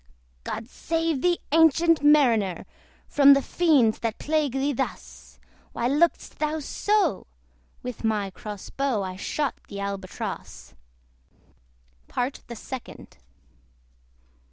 "God save thee, ancient Mariner! From the fiends, that plague thee thus! Why look'st thou so?" With my cross bow I shot the ALBATROSS. PART THE SECOND.